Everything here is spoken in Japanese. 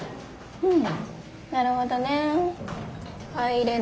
うん。